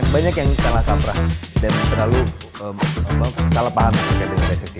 banyak yang salah samprah dan terlalu salah paham mengenai reseksi